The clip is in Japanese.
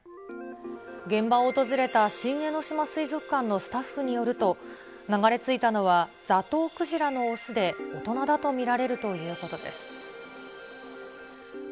現場を訪れた新江ノ島水族館のスタッフによると、流れ着いたのはザトウクジラの雄で、大人だと見られるということです。